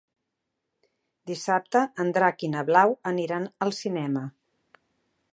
Dissabte en Drac i na Blau aniran al cinema.